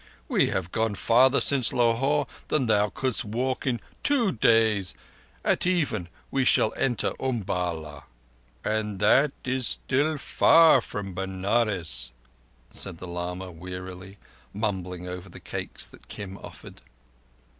"We have gone farther since Lahore than thou couldst walk in two days: at even, we shall enter Umballa." "And that is still far from Benares," said the lama wearily, mumbling over the cakes that Kim offered.